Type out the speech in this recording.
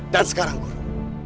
dan sekarang guru